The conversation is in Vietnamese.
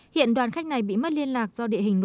hiện đoàn khách này bị mất liên lạc do địa hình